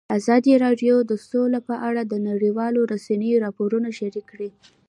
ازادي راډیو د سوله په اړه د نړیوالو رسنیو راپورونه شریک کړي.